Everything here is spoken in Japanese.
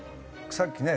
さっきね